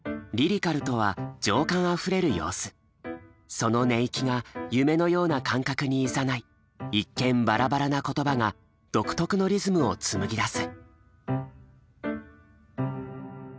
その寝息が夢のような感覚にいざない一見バラバラな言葉が独特のリズムを紡ぎ出す。